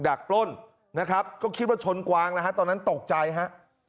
ถูกดักปล้นนะครับก็คิดว่าชนกว้างนะฮะตอนนั้นตกใจฮะ